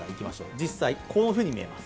実際こういうふうに見えます。